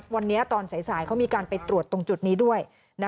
วันนี้ตอนสายเขามีการไปตรวจตรงจุดนี้ด้วย